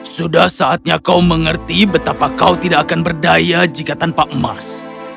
sudah saatnya kau mengerti betapa kau tidak akan berdaya jika tanpa emas